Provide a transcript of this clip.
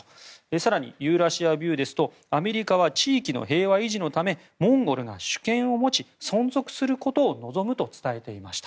更に、ユーラシアビューですとアメリカは地域の平和維持のためモンゴルが主権を持ち存続することを望むと伝えました。